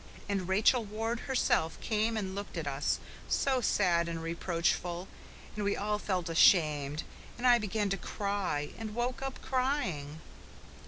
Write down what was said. And Rachel Ward herself came and looked at us so sad and reproachful and we all felt ashamed, and I began to cry, and woke up crying."